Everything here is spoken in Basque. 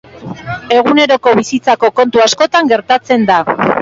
Eguneroko bizitzako kontu askotan gertatzen da.